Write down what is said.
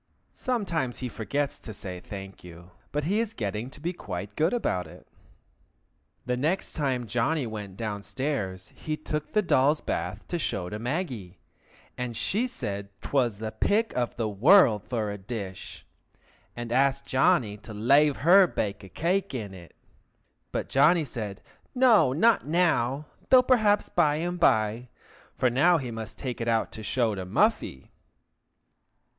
(Sometimes he forgets to say "thank you," but he is getting to be quite good about it.) The next time Johnny went down stairs, he took the doll's bath to show to Maggie, and she said 'twas the pick of the world for a dish, and asked Johnny to lave her bake a cake in it; but Johnny said no, not now, though perhaps by and by, for now he must take it out to show to Muffy.